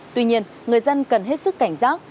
tuy nhiên người dân cần hết sức cảnh giác